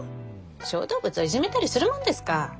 小動物をいじめたりするもんですか。